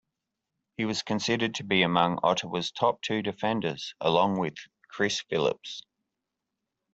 He was considered to be among Ottawa's top two defenders, along with Chris Phillips.